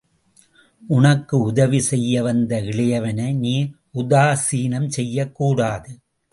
உனக்கு உதவி செய்ய வந்த இளையவனை நீ உதாசீனம் செய்யகூடாது.